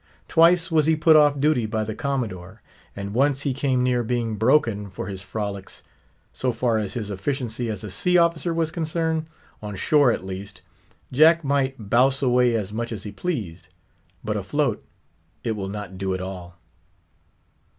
Twice was he put off duty by the Commodore; and once he came near being broken for his frolics. So far as his efficiency as a sea officer was concerned, on shore at least, Jack might bouse away as much as he pleased; but afloat it will not do at all.